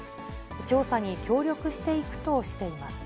調査に協力していくとしています。